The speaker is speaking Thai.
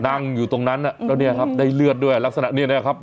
นั่งอยู่ตรงนั้นแล้วเนี่ยครับได้เลือดด้วยลักษณะนี้นะครับ